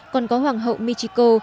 còn có hoàng hậu michiko